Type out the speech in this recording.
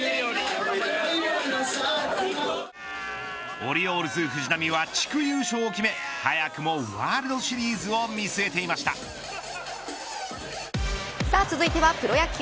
オリオールズ、藤浪は地区優勝を決め早くもワールドシリーズをさあ続いてはプロ野球。